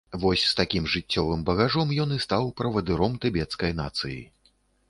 Вось з такім жыццёвым багажом ён і стаў правадыром тыбецкай нацыі.